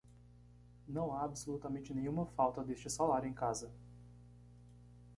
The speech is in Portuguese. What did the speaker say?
Não há absolutamente nenhuma falta deste salário em casa.